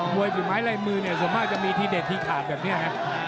มวยผิดไม้ไล่มือส่วนมากจะมีที่เด็ดที่ขาดแบบนี้